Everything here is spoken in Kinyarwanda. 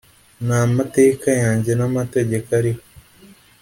ni amateka yanjye n’amategeko ariho